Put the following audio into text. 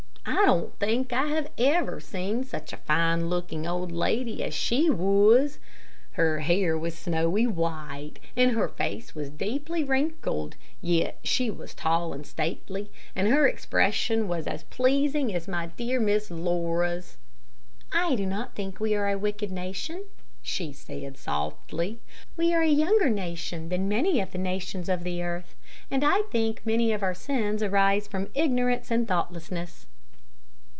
I don't think I have ever seen such a fine looking old lady as she was. Her hair was snowy white, and her face was deeply wrinkled, yet she was tall and stately, and her expression was as pleasing as my dear Miss Laura's. "I do not think we are a wicked nation," she said, softly. "We are a younger nation than many of the nations of the earth, and I think that many of our sins arise from ignorance and thoughtlessness."